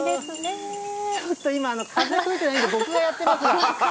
ちょっと今、風吹いてないんで、僕がやってますが。